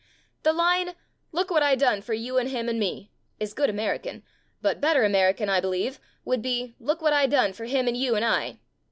The line, "Look what I done for you and him and me", is good American, but better American, I believe, would be, "Look what I done for him and you and I".